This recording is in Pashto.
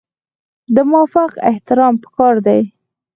د مافوق احترام پکار دی